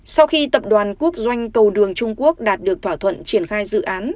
sau khi tập đoàn quốc doanh cầu đường trung quốc đạt được thỏa thuận triển khai dự án